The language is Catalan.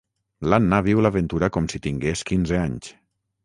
L'Anna viu l'aventura com si tingués quinze anys.